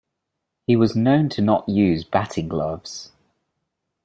He was known to not use batting gloves.